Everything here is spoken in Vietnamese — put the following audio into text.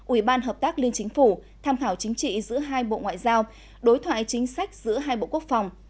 ủy ban hợp tác liên chính phủ tham khảo chính trị giữa hai bộ ngoại giao đối thoại chính sách giữa hai bộ quốc phòng